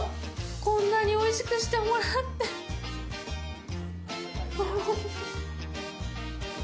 こんなにおいしくしてもらって、あぁ。